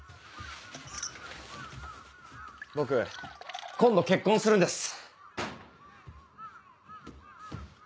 僕今度結婚するんです。